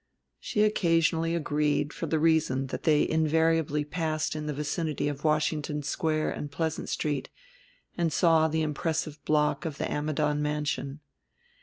She occasionally agreed for the reason that they invariably passed in the vicinity of Washington Square and Pleasant Street, and saw the impressive block of the Ammidon mansion.